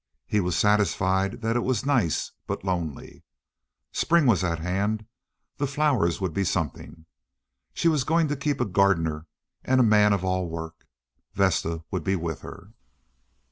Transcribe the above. He was satisfied that it was nice but lonely. Spring was at hand, the flowers would be something. She was going to keep a gardener and man of all work. Vesta would be with her.